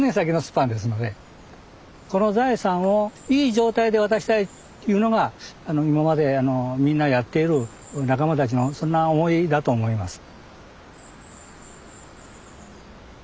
この財産をいい状態で渡したいというのが今までみんなやっている仲間たちのそんな思いだと思います。